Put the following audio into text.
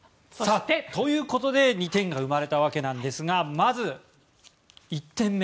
ということで２点が生まれたわけですがまず１点目。